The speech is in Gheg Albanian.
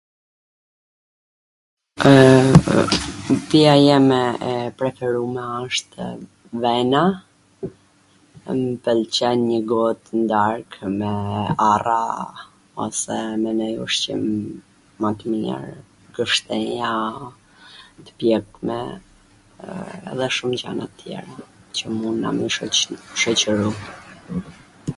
Pija ime e preferume wshtw vena, m pwlqen njw gotw nw dark me arra ose me ndonjw ushqim ma t mir, gwshtenja t pjekme, dhe shum gjan tjera qw mund t na shoqwrojn. .